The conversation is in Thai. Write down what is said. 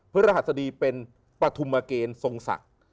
พระรหัสดีเป็นปฐุมเกณฑ์ทรงศักดิ์